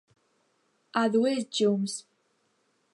A dues llums.